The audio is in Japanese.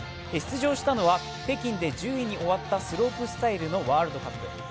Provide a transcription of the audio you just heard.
出場したのは北京で１０位に終わったスロープスタイルのワールドカップ。